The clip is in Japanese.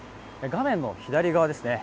画面の左側ですね。